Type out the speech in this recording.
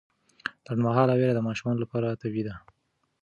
لنډمهاله ویره د ماشومانو لپاره طبیعي ده.